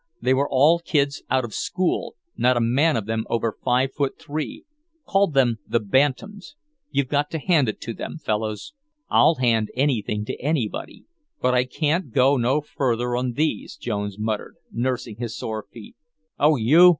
They were all kids out of school, not a man of them over five foot three, called them the 'Bantams.' You've got to hand it to them, fellows." "I'll hand anything to anybody, but I can't go no farther on these," Jones muttered, nursing his sore feet. "Oh, you!